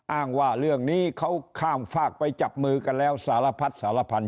อ้างว่าเรื่องนี้เขาข้ามฝากไปจับมือกันแล้วสารพัดสารพันธ